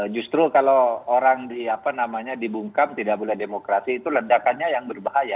justru kalau orang dibungkam tidak boleh demokrasi itu ledakannya yang berbahaya